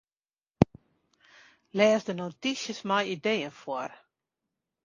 Lês de notysjes mei ideeën foar.